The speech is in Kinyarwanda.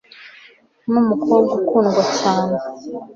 Numukobwa ukundwa cyane rwose.